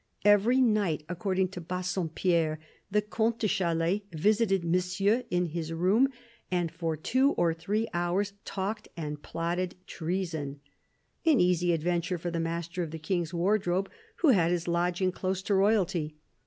Every night, according to Bassompierre, the Comte de Chalais visited Monsieur in his room, and for two or three hours talked and plotted treason : an easy adventure for the Master of the King's Wardrobe, who had his lodging close to royalty.